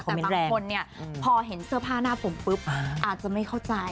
แต่บางคนเนี่ยพอเห็นเสื้อผ้าหน้าผมปุ๊บอาจจะไม่เข้าใจ